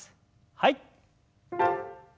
はい。